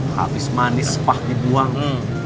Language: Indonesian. habis manis sepah dibuang